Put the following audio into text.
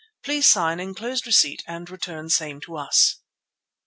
Please sign enclosed receipt and return same to us."